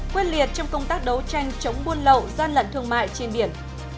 quyết liệt trong công tác đấu tranh chống buôn lậu gian lận thương mại trên biển